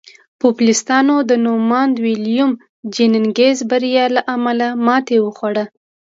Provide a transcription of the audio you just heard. پوپلستانو د نوماند ویلیم جیننګز بریان له امله ماتې وخوړه.